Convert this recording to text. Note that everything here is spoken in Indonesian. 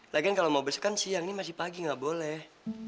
lagian kalau mau bersukan siang ini masih pagi gak boleh